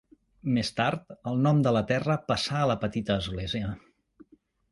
Més tard, el nom de la terra passà a la petita església.